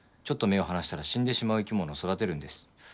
ちょっと目を離したら死んでしまう生き物を育てるんです。